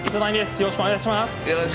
よろしくお願いします。